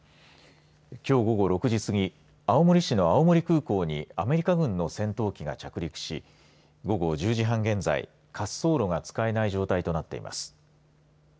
きょう午後６時すぎ青森市の青森空港にアメリカ軍の戦闘機が着陸し午後１０時半現在滑走路が使えない状態となっています。